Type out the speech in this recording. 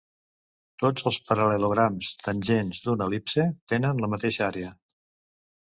Tots els paral·lelograms tangents d'una el·lipse tenen la mateixa àrea.